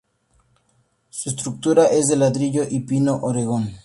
Su estructura es de ladrillo y pino oregón.